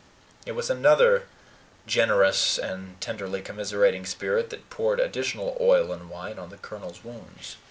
It was another generous and tenderly commiserating spirit that poured additional oil and wine on the colonel's wounds.